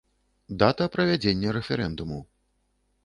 Дата правядзення рэферэндуму.